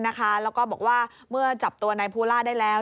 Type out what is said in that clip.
แล้วก็บอกว่าเมื่อจับตัวนายภูล่าได้แล้ว